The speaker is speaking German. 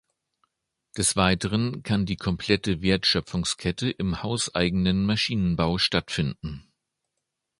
Des Weiteren kann die komplette Wertschöpfungskette im hauseigenen Maschinenbau stattfinden.